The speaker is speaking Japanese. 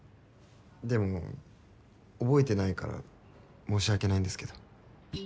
でも覚えてないから申し訳ないんですけど。